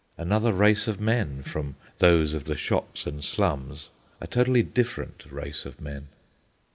Another race of men from those of the shops and slums, a totally different race of men.